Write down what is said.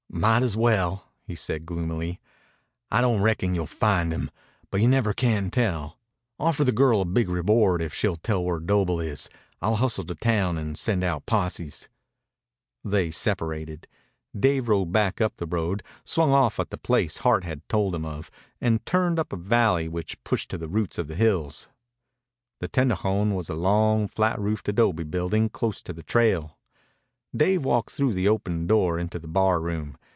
"Might as well," he said gloomily. "I don't reckon you'll find him. But you never can tell. Offer the girl a big reward if she'll tell where Doble is. I'll hustle to town and send out posses." They separated. Dave rode back up the road, swung off at the place Hart had told him of, and turned up a valley which pushed to the roots of the hills. The tendejon was a long, flat roofed adobe building close to the trail. Dave walked through the open door into the bar room.